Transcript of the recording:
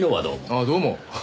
ああどうも。